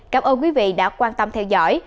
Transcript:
cảm ơn quý vị đã quan tâm theo dõi